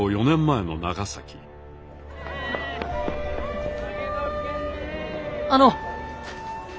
４年前の長崎あの！